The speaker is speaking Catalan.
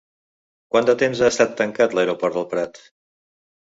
Quant de temps ha estat tancat l'aeroport del Prat?